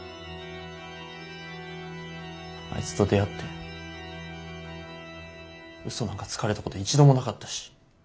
あいつと出会ってウソなんかつかれたこと一度もなかったし。